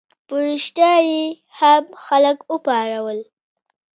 په ریشتیا یې هم خلک وپارول.